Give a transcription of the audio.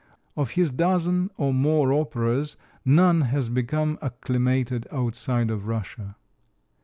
Of his dozen or more operas none has become acclimated outside of Russia.